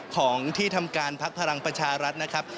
ของที่ทำการพักพลังประชารัฐนะครับ